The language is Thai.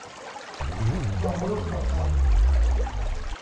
ทองรูปพรรณ